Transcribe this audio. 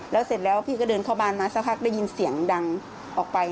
แล้วเสร็จแล้วพี่ก็เดินเข้าบ้านมาสักพักได้ยินเสียงดังออกไป